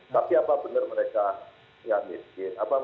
tapi apa benar mereka yang miskin